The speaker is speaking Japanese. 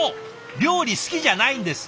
料理好きじゃないんです。